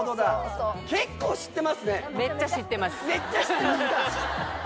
めっちゃ知ってますか。